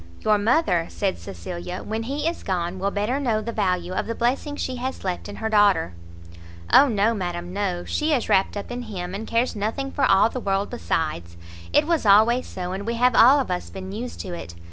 "Your mother," said Cecilia, "when he is gone, will better know the value of the blessing she has left in her daughter." "O no, madam, no; she is wrapt up in him, and cares nothing for all the world besides. It was always so, and we have all of us been used to it.